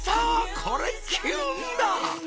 これキュンだ！